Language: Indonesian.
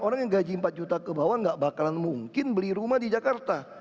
orang yang gaji empat juta kebawah gak bakalan mungkin beli rumah di jakarta